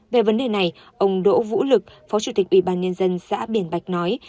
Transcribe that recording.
về vấn đề này ông đỗ vũ lực phó chủ tịch ủy ban nhân dân xã biển bạch nói